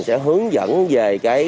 sẽ hướng dẫn về